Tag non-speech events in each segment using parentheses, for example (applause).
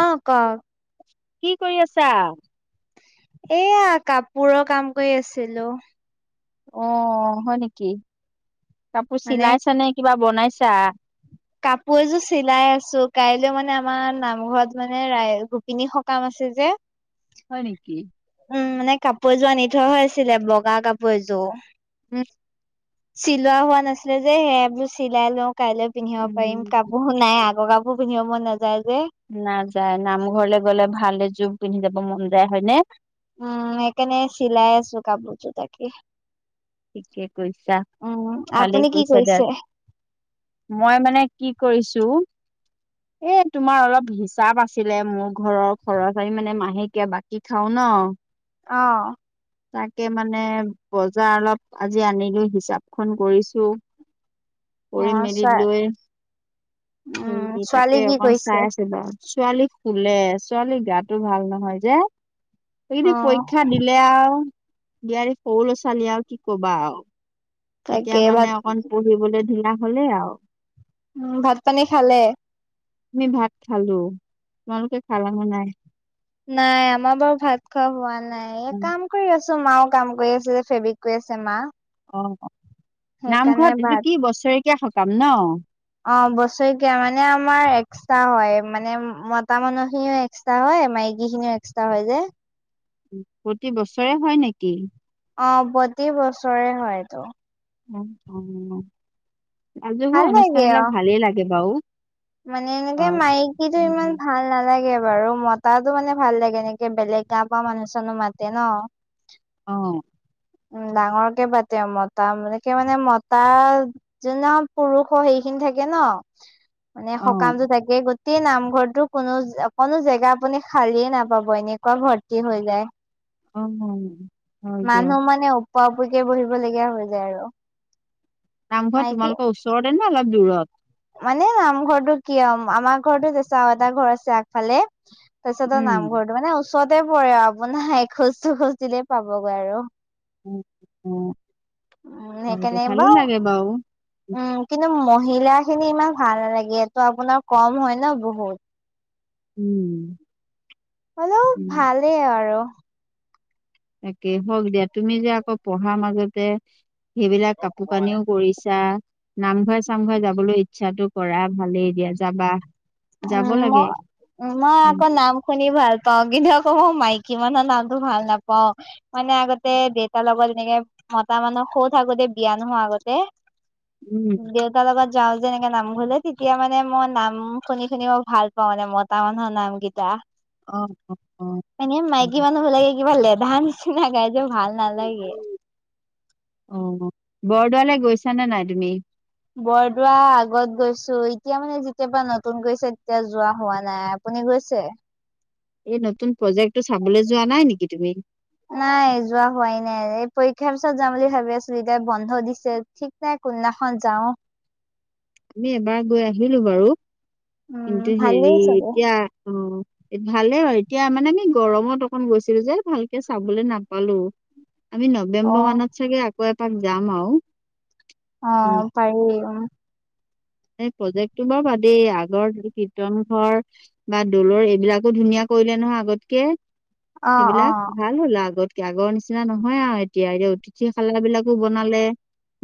অহঁ কৱক। কি কৰি আছাঁ? এয়া কাপোৰৰ কাম কৰি আছিলোঁ। অ হয় নেকি কাপোৰ মানে চিলাইছা নে কিবা বনাইছা? কাপোঁৰ এযোৰ চিলাই আছো কাইলেও মানে আমাৰ নামঘৰত মানে ৰাই গোপিনী সকাম আছে। যে হয় নেকি? উম মানে কাপোৰযোৰ আনি থোৱা হৈ আছিলে বগা কাপোৰ এযোঁৰ হো চিলোৱা হোৱা নাছিলে যে সেইবোৰ চিলাই লওঁ কাইলৈ পিন্ধিব পাৰিম উম কাপোৰ নাই আগৰ কাপোৰ পিন্ধিব মন নাযায়। যে নাযায় নামঘৰলে গ'লে ভালে জোম পিন্ধি যাব মন যায় হয়নে উম একাৰণে চিলাই আছোঁ কাপোঁৰজোৰ তাকে থিকে কৈছা উম ভালেই আপুনি কি কৰিছা কৰিছে দিয়া মই মানে কি কৰিছোঁ এ তোমাৰ অলপ হিচাপ আছিলে মোৰ ঘৰৰ খৰচ এহ মানে মাহেকীয়া বাকী খাও নহঁ (unintelligible) অহঁ অহঁ তাকে মানে বজাৰ অলপ আজি আনিলোঁ হিচাপখন কৰিছোঁ অ কৰি মেলি ছোৱা লৈ উম সে ছোৱালী তাকে কি অকণ কৰিছে চাই আছিলো ছোৱালী স্কুলে ছোৱালী গাটো ভাল নহয় যে অ সেইকেই পৰীক্ষা দিলে আৰু বিয়াৰ সৰু ল'ৰা ছোৱালী আৰু কি কবা আৰু তাকে এতিয়া ভাত মানে অকণ পঢ়িবলৈ ধিলা হলেই আৰু উম ভাত পানী খালে আমি ভাত খালো তোমালোকে খালানে নাই নাই আমাৰ বাৰু ভাত খোৱা হোৱা নাই এ কাম কৰি আছ মাও কাম কৰি আছে যে ফেব্ৰিক কৰি আছে মা অ সেইকাৰণে নামঘৰত এইটো ভাত কি বছৰেকীয়া সকাম ন অ বছৰেকীয়া মানে আমাৰ এক্সট্ৰা হয় মানে মতা মানুহে এক্সট্ৰা হয় মাইকি খিনিও এক্সট্ৰা হয় যায় প্ৰতি বছৰে হয় নেকি অ প্ৰতি বছৰে হয়তো ৰাজহুৱা ভাল লাগে অনুষ্ঠান অ বিলাক ভালেই লাগে বাৰু মানে এনেকে হয় মাইকীটো ইমান উম, ভাল নালাগে বাৰু মতা মানে ভাল লাগে এনেকে বেলেগ গাওঁ পা মানুহ চানো মাতে ন (unintelligible) অ উম ডাঙৰ কে পাতে মতা মানকে মানে মতা যোন নখন পুৰুষ সেইখিনি থাকে ন মানে অ সকামতো তাকে গোটেই নামঘৰটো কোনো কোনো জেগা আপুনি খালিয়ে নাপাব এনেকোৱা ভৰ্তি হৈ যায় (unintelligible) অ হ মানুহ মানে অপ অপৰিকে বহিব লগীয়া হৈ যায় আৰু (unintelligible) নামঘৰত মাইকী তোমালোকৰ ওচৰতে ন অলপ দূৰত (unintelligible) মানে নামঘৰটো কি হ আমাৰ ঘৰটো তে আও এটা ঘৰ আছে আগফালে (unintelligible) তাৰপাচত উম নামঘৰ টো মানে (unintelligible) ওচৰতে পৰে আপোনাৰ এ খোজ দু খোজ দিলেই পাবগৈ আৰু উম উম উম সেইকাৰণে বা বাৰু উম কিন্তু মহিলা খিনি ইমান ভাল নালাগে এইটো আপোনাৰ কম হয় ন বহুত (unintelligible) উম অলপ উম ভালেই আৰু তাকে হওক দিয়া তুমি যে আকৌ পঢ়াৰ মাজতে সেইবিলাক কাপোৰ কানিও কৰিছা নামঘৰে চামঘৰে যাবলৈ ইচ্ছাটো কৰা ভালেই দিয়া যাবা যাব উম ম লাগে উ মই উম আকৌ নাম শুনি ভাল পাওঁ কি ধক ক মই মাইকী মানুহৰ নামতটো ভাল নাপাও মানে আগতে দেউতাৰ লগত এনেকে মতা মানুহ কৌত আগোতে বিয়া নহয় আগতে উম, (unintelligible) দেউতাৰ লগত যাও যে এনেকে নামঘলে তেতিয়া মানে মই নাম (unintelligible) শুনি শুনি মই ভাল পাওঁ মানে মতা মানুহৰ নাম কেইতা অ অ অ এনে অ মাইকী উম, মানুহ বিলাগে কিবা লেধা নিচিনা গাই যে ভাল নালাগে। আহ বৰদোৱালৈ গৈছানে নাই তুমি? বৰদোৱা আগত গৈছো এতিয়া মানে যেতিয়া পৰা নতুন গৈছে তেতিয়া যোৱা হোৱা নাই আপুনি গৈছে? এই নতুন প্ৰজেক্টটো চাবলৈ যোৱা নাই নেকি তুমি? নাই যোৱা হোৱাই নাই এই পৰীক্ষাৰ পিছত যাম বুলি ভাবি আছিলো এতিয়া বন্ধ দিছে ঠিক নাই, কোনদিনাখন যাও, আমি এবাৰ গৈ আহিলো বাৰু। উম কিন্তু হেৰি ভালেই চাগে এতিয়া অ ভালেই আৰু এতিয়া মানে গৰমত অকন গৈছিলো যে ভালকে চাবলৈ নাপালো আমি অ নৱেম্বৰ মানত চাগে আকৌ এপাক যাম আৰু অ উম পাৰি উ এই প্ৰজেক্টটো বাও বাদেই আগৰ কীৰ্তন ঘৰ বা দলৰ এইবিলাকো ধুনীয়া। কৰিলে নহয় আগতকে। অ অ সেইবিলাক ভাল হ'ল আগত আগৰ নিচিনা নহয় আৰু এতিয়া এতিয়া অতিথি খাল বিলাকো বনালে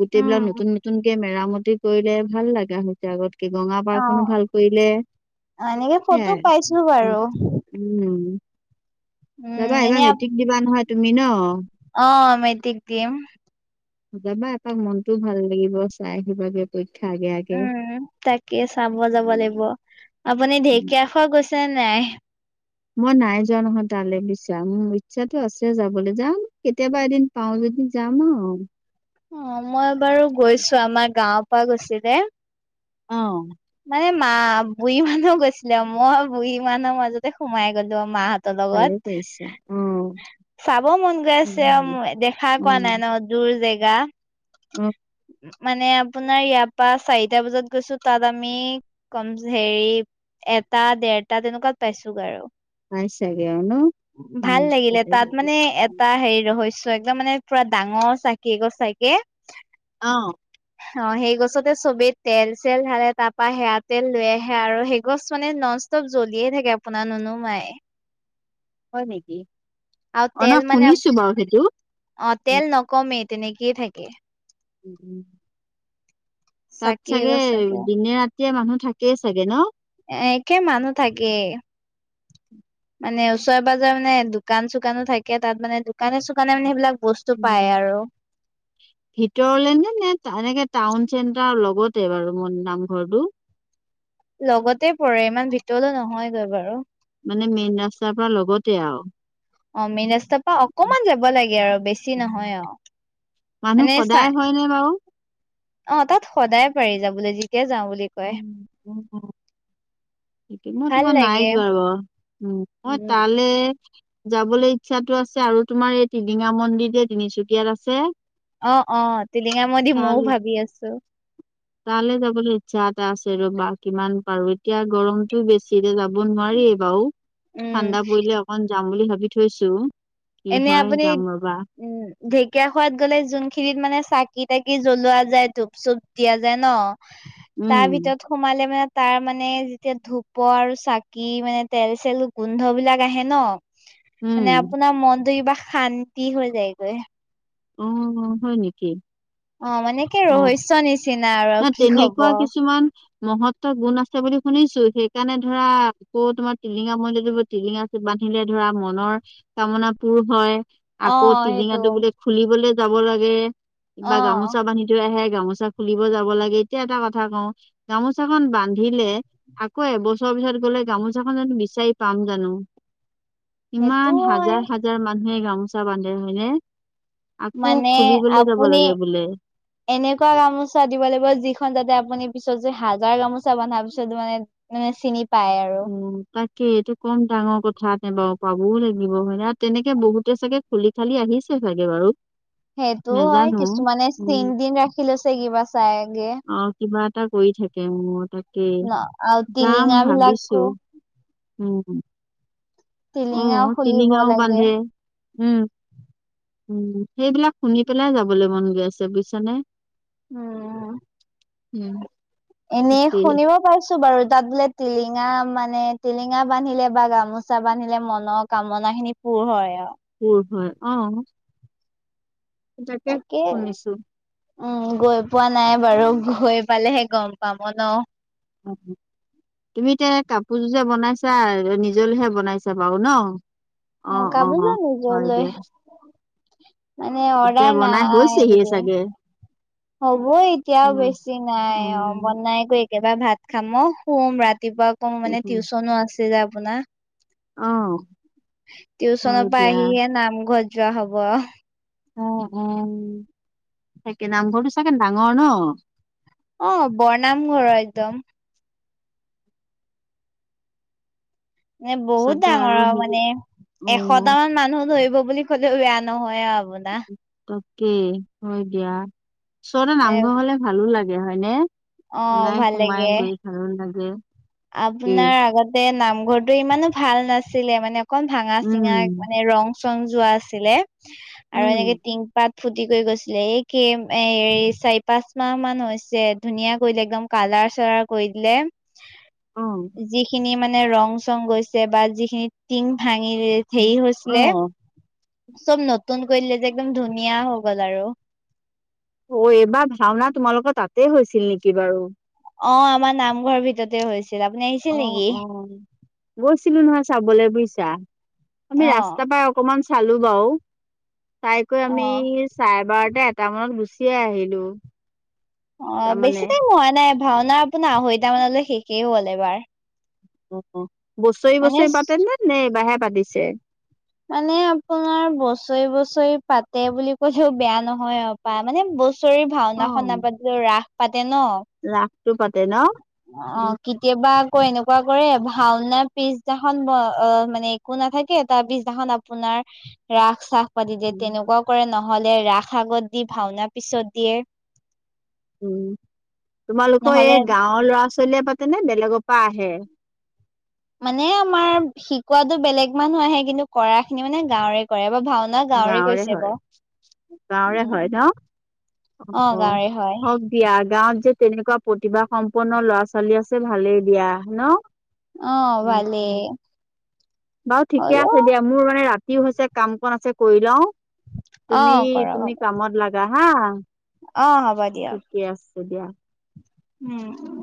গোটেইবিলাক উম নতুন নতুনকে মেৰামতি কৰিলে ভাল লগা হৈছে আগত ত অ গঙাপাৰখনো ভাল কৰিলে। এনেকে ফটো সেয়াই পাইছো বাৰু উ উম উম যাবা এনে এইবাৰ আপ মেট্ৰিক দিবা নহয় তুমি ন অ মেতিক দিম যাবা এপাক মনতটোও ভাল লাগিব চাই আহিবাগে পৰীক্ষা আগে উম তাকে চাব যাব লাগিব। উম, আপুনি উম। ঢেকীয়া খোৱা গৈছে ছে নাই? মই নাই যোৱা নহয় তালে বুইচা। মোৰ ইচ্ছাতটো আছে যাবলৈ যাওঁ কেতিয়াবা এদিন পাওঁ যে যি যাম আও অ মই বাৰু গৈছো আমাৰ গাঁৱৰ পৰা গৈছিলে। অ মানে মা বুঢ়ী মানো গৈছিলে মই বুঢ়ী মানুহ মাজতে সোমাই গলো মাহত লগত ভালে কৰিছা অ', চাব মন গৈ আছে অ মোৰ, দেখা কোৱা নাই ন দূৰ জেগা উম মানে আপোনাৰ ইয়াৰ পা চাৰিটা বজাত গৈছো, তাত আমি কম হেৰি এটা দেৰটা তেনেকুৱাত পাইছো গৈ পাইছাগে ন? আৰু উম, ভাল লাগিলে ভালে তাত কৰিলা। মানে এটা হেৰি ৰহস্য ত একদম মানে পুৰা ডাঙৰ চাকি এগছ থাকে। আহ অ সেই গছতে চবেই তেল চেল ধালে। তাৰপা সেয়া তেল লৈ আহে আৰু সেই গছ মানে নন ষ্টপ জ্বলিয়ে থাকে আপোনাৰ নুনুমাই। হয় নেকি? আৰু অ', ন তেল মানে শুনিছো বাৰু সেইটো। অ উম, তেল নকমেই তেনেকেই থাকে। উম উ (inaudible) তাত চাকি চাগে এগছ থাকে দিনে ৰাতিয়ে মানুহ থাকেই চাগে ন? আহ কে মানুহ থাকে মানে ওচৰে পাজৰে মানে দোকান চোকানো থাকে তাত মানে দোকানে চোকানে মানে সেইবিলাক। বস্তু পায় উম আৰু। ভিতৰলে নে নে এনেকে টাউন চেন্টাৰৰ লগতে বাৰু মই নামঘৰটো লগতে পৰে ইমান ভিতৰলৈ নহয়গৈ বাৰু মানে মেইন ৰাস্তাৰ পৰা লগতে আৰু অ মেইন ৰা তপা অকমান যাব লাগে আৰু বেছি নহয় অ মানুহ মানে সদায় চাই। হয়নে বাৰু অ তাত সদায় পাৰি যাব। উম। মই ভাল তোমাৰ নাই লাগে। যোৱা বাৰু উ মই উম তালে। যাবলৈ ইচ্ছাতটো আছে আৰু তোমাৰ এই টিলিঙা মন্দিৰ যে তিনিচুকীয়াত আছে, অ অ টিলিঙা মন্দিৰ মইও তাল ভাবি আছো। তালৈ যাবলৈ ইচ্ছা এটা আছে ৰ'বা কিমান পাৰো এতিয়া গৰমটো বেছিৰে যাব, দিব নোৱাৰি বাৰু উম ঠাণ্ডা পৰিলে অকন যাম বুলি ভাবি থৈছো কি এনে হয় আপুনি যাম ৰ'বা উ ঢেকীয়া খোৱাত গ'লে যোনখিনিত মানে চাকি তাকি- কি জ্বলোৱা যায় ধূপ চুপ দিয়া যায় ন, উম তাৰ ভিতৰত সোমালে মানে- তাৰ মানে যেতিয়া ধূপ আৰু চাকি মানে তেল চেল গোন্ধ বিলাক আহে ন, মানে উম আপোনাৰ মনটো কিবা শান্তি হৈ যায়গৈ। অ হয় নেকি? অ মানে কি অ', ৰহস্য নিচিনা। আৰু ন কি কব তেনেকুৱা কিছুমান। মহত্বৰ গুণ আছে বুলি শুনিছো সেইকাৰণে ধৰা আকৌ তোমাৰ টিলিঙা মন্দিৰ টিলিঙা এটি বান্ধ- ধিলে ধৰা মনৰ কামনা পুৰ হয়। অ আকৌ সেইটো টিলিঙাটো বোলে খুলিবলৈ যাব লাগে অ কিবা গামোচা বান্ধিথৈ আহে। গামোচা খোল - দিব যাব লাগে এতিয়া এটা কথা কওঁ গামোচাখন বান্ধিলে আকৌ এবছৰ পিছত গ'লে। গামোচাখন জানো বিচাৰি পাম জানো। সেইটো ইমান হয় হাজাৰ হাজাৰ মানুহে গামোচা বান্ধে হয়নে? আকৌ মানে খুলিবলৈ যাব আপুনি লাগে বোলে এনেকুৱা গামোচাত। দিব লাগিব যিখন তাতে আপুনি পিছত যে হাজাৰ গামোচা বন্ধাৰ পিছত মানে চিনি পায় আৰু উ তাকে এইটো কম ডাঙৰ কথা নে বাৰু পাবও লাগিব মানে আৰু তেনেকে বহুতে চাগে খুলি থালি আহিছে চাগে বাৰু। সেইটো হয় নেজানো। কিছুমানে উম। চিন তিন ৰাখি লৈছে কিবা। চাইগে অ কিবা এটা কৰি থাকে মোৰ তাকে ন আৰু যাম টিলিঙা ভাবিছো। বিলাকো উম। টিলিঙা অহ খুলিব চিলিঙাও লাগে বান্ধে উম। উম সেইবিলাক শুনি পেলাই যাবলৈ মন গৈ আছে বুইছানে। উম। উম। এনেই তাকেই শুনিব পাইছো। বাৰু তাত বোলে টিলিঙা মানে টিলিঙা বান্ধিলে বা গামোচা বান্ধিলে মনৰ কামনা খিনি পুৰ হয় আও পুৰ হয় অহ তাকে শুনিছো। উম গৈ পোৱা নাই বাৰু গৈ পালেহে গম পাম ন? অ তুমি এতিয়া কাপ পুজো যে বনাইছা নিজলৈহে বনাইছা বাৰু ন। অ অ কাপোৰযোৰ হয় নিজলৈ দিয়া। মানে এতিয়া অৰ্ডাৰ বনাই নাই হৈছেহিয়ে এইকেইদিন চাগে। হ'ব এতিয়াও বেছি নাই অ বনাই একো। একবাৰে ভাত খাম শুম ৰাতিপুৱা কম মানে টিউচনো আছিল যে আপোনাৰ। অহ। টিউচনৰ পৰা আহিহে নামঘৰত যোৱা হব আৰু। অ উ সেকে নামঘৰটো চাগে ডাঙৰ ন। অ ব নামঘৰ একদম। এ বহুত পিছতে ডাঙৰ আৰু হেৰি মানে অ এশট মান মানুহ ধৰিব বুলি ক'লেও বেয়া নহয় আৰু। হবলা। কি হয় দিয়া ওচৰতে এ নামঘৰ হলে ভালো লাগে হয়নে অ ওলাই ভাল সোমাই লাগে গৈ ভালো লাগে এ আপোনাৰ আগতে নামঘৰটো ইমানো ভাল নাছিলে মানে কম ভাঙা চিঙা উম মানে ৰং চং যোৱা আছিলে আৰু উম এনেকে টিং পাত ফু্তি কৰি গৈছিলে এই কেম এ চাৰি পাঁচ মাহ মান হৈছে ধুনীয়া কৰিলে একদম কালা ৰ চালাৰ কৰি দিলে অ যিখিনি মানে ৰং চং গৈছে বা যিখিনি টিং ভাং হেৰি অ হৈছিলে চব নতুন কৰি দিলে যে একদম ধুনীয়া হৈ গ'ল আৰু অ এইবাৰ ভাওনা তোমালোকৰ তাতে হৈছিল নেকি বাৰু অ আমাৰ নামঘৰৰ ভিতৰতে হৈছে অ অ গৈছিলো নহয় চাবলৈ বুজিছা অ আমি ৰাস্তা পাই অকমান চালো বাও চাইকৈ অ আমি চাৰে বাৰতা এটা মানত গুচিয়ে আহিলো। অ তাৰমানে বেছি টাইম হোৱা নাই ভাওনা আপোনাৰ আঢ়ৈটা মানলৈ শেষেই হ'ল এবাৰ। অ বছৰি মানে বছৰি পাতেনে নে এবাহে পাতিছে? মানে আপোনাৰ বছৰি বছৰি পাতে বুলি ক'লেও বেয়া নহয় অ পায় মানে ব হুচৰি ভাওনাখন অ', নাপাতিলেও ৰাস এ ন ৰাসটো পাতে ন অ উম কেতিয়াবা ক এনেকোৱা কৰে ভাওনাৰ পিছদিনাখন অ মানে একো নাথাকে তাৰ পিছ দিনাখন আপোনাৰ ৰাস চাস পাতি দিয়ে তেনেকোৱাও কৰে ন। নহ'লে ৰাস আগত দি ভাওনা পিছত দিয়ে। উম তোমালোকৰ নহলে এই গাঁৱৰ ল'ৰা ছোৱালীয়ে পাতেনে বেলেগৰ পৰা আহে। মানে আমাৰ শিকোৱাতো বেলেগ মানুহ আহে কিন্তু কৰা খিনি মানে গাঁৱৰে কৰে। বা ভাওনা গাঁৱৰে কৰিছে হয় বাৰু গাঁৱৰে উম হয় ন। অ গাঁৱৰে হয় হওক দিয়া গাঁৱত যে তেনেকোৱা প্ৰতিভা সম্পন্ন ল'ৰা ছোৱালী আছে ভালেই দিয়া ন। অ উম, ভালে উম, বাৰু ঠিকে আছে দিয়া মোৰ মানে ৰাতিও হৈছে কাম কন আছে কৰি লও। অ তুমি কৰা হ'ব তুমি কামত লাগা হা অ হ'ব দিয়ক ঠিকেই আছে দিয়া। উম উ